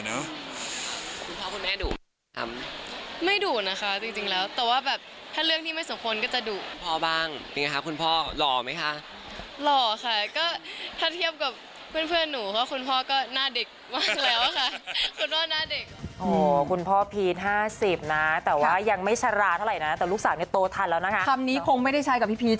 น้องมีย่าเค้าเต้นโคปเบอร์เก่งหน่อยนะเต้นเกาหลีเก่งหน่อยนะจ้ะ